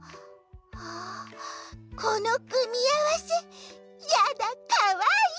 ああこのくみあわせやだかわいい！